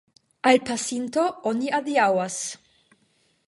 Al pasinto oni adiaŭas.